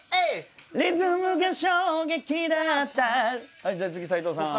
はいじゃあ次斎藤さん。